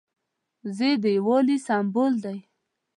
وزې د یو والي سمبول دي